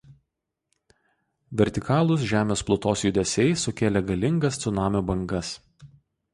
Vertikalūs žemės plutos judesiai sukėlė galingas cunamio bangas.